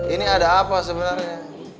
ini ada apa sebenarnya